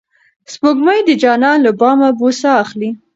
سپوږمۍ د جانان له بامه بوسه اخلي.